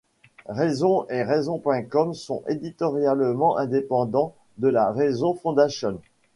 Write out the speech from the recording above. Reason et Reason.com sont éditorialement indépendant de la Reason Foundation.